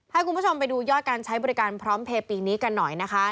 ให้คุณผู้ชมไปดูยอดการใช้บริการพร้อมเพลย์ปีนี้กันหน่อยนะคะ